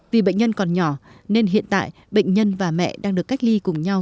vì bệnh nhân còn nhỏ nên hiện tại bệnh nhân và mẹ đang được cách ly cùng nhau